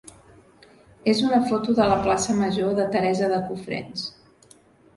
és una foto de la plaça major de Teresa de Cofrents.